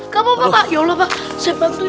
gak apa apa pak ya allah pak saya bantuin